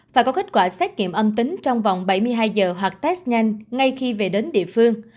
phải có kết quả xét nghiệm âm tính trong vòng bảy mươi hai giờ hoặc test nhanh ngay khi về đến địa phương